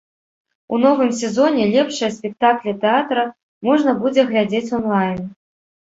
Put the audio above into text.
У новым сезоне лепшыя спектаклі тэатра можна будзе глядзець онлайн.